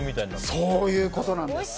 そういうことなんです。